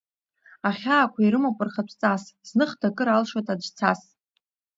Ахьаақәа, ирымоуп рхатә ҵас, зных дакыр алшоит аӡә цас.